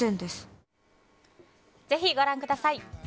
ぜひご覧ください。